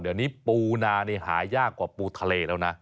เดี๋ยวนี้ปูนานี่หายากกว่าปูทะเลแล้วนะ